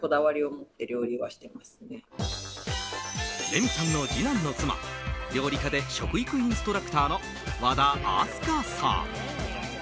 レミさんの次男の妻料理家で食育インストラクターの和田明日香さん。